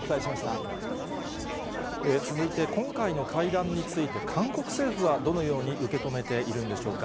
続いて、今回の会談について、韓国政府はどのように受け止めているんでしょうか。